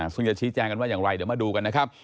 ซึ่งจะชี้แจงกันว่าอย่างไรเดี๋ยวมาดูกันนะครับ